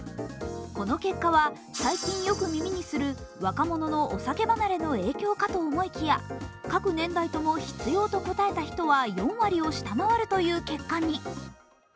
この結果は最近よく耳にする、若者のお酒離れの影響かと思いきや各年代とも必要と答えた人は４割を下回るという結果に。